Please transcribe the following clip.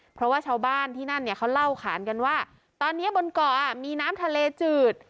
เพราะว่าชาวบ้านที่นั่นเนี่ยเขาเล่าขานกันว่าตอนนี้บนเกาะมีน้ำทะเลจืด